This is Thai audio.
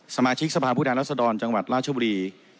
สมาชิกสภาพุทยาและสดรจังหวัดราชบุรี